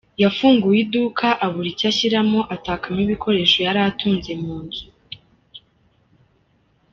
Yafunguye iduka abura icyo ashyiramo, atakamo ibikoresho yari atunze mu nzu.